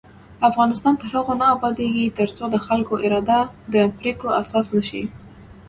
افغانستان تر هغو نه ابادیږي، ترڅو د خلکو اراده د پریکړو اساس نشي.